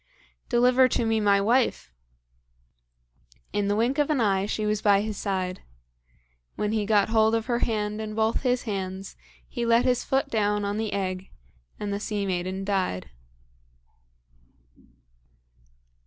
"Deliver to me my wife!" In the wink of an eye she was by his side. When he got hold of her hand in both his hands, he let his foot down on the egg and the sea maiden died.